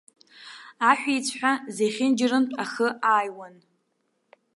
Аҳәиҵәҳәа зехьынџьарантә ахы ааиуан.